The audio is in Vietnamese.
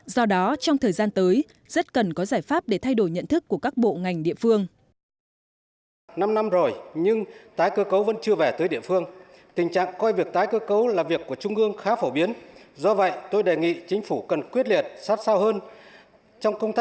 do đó trong thời gian tới rất cần có giải pháp để thay đổi nhận thức của các bộ ngành địa phương